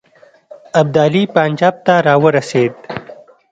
ابدالي پنجاب ته را ورسېد.